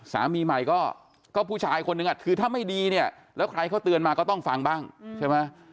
สามีใหม่ก็ผู้ชายคนนึงคือถ้าไม่ดีเนี่ยแล้วใครเขาเตือนมาก็ต้องฟังบ้างใช่ไหม